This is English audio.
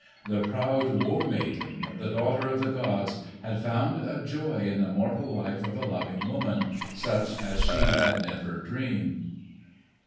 The proud War Maiden, the daughter of the gods, had found a joy in the mortal life of a loving woman, such as she had never dreamed.